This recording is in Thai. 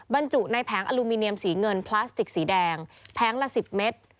บรรจุในแผงอลูมิเนียมสีเงินพลาสติกสีแดงแผงละ๑๐เมตร